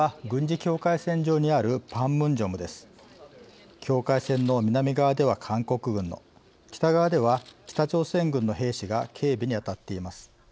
境界線の南側では韓国軍の北側では北朝鮮軍の兵士が警備に当たっています。